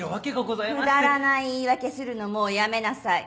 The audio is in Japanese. くだらない言い訳するのもうやめなさい。